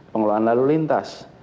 pengolahan lalu lintas